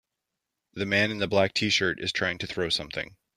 The man in the black tshirt is trying to throw something.